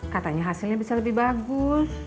katanya hasilnya bisa lebih bagus